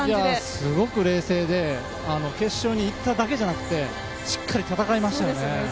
すごく冷静で決勝に行っただけじゃなくてしっかり戦いましたよね。